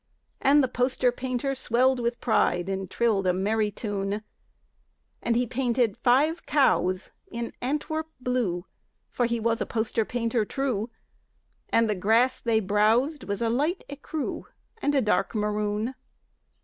And the poster painter swelled with pride And trilled a merry tune. And he painted five cows in Antwerp blue (For he was a poster painter true), And the grass they browsed was a light écru And a dark maroon.